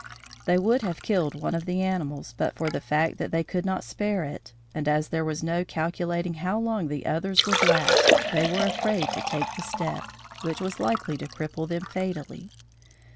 They would have killed one of the animals, but for the fact that they could not spare it, and, as there was no calculating how long the others would last, they were afraid to take the step, which was likely to cripple them fatally.